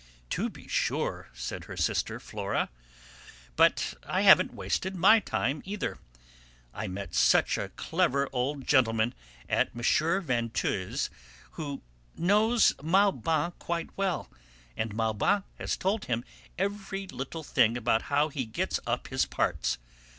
"To be sure!" said her sister Flora, "but I haven't wasted my time either. I met such a clever old gentleman at M. Vinteuil's who knows Maubant quite well, and Maubant has told him every little thing about how he gets up his parts.